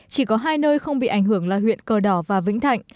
chỉ có hai nơi không bị ảnh hưởng là huyện cờ đỏ và vĩnh thạnh